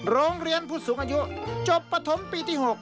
โรงเรียนผู้สูงอายุจบปฐมปีที่๖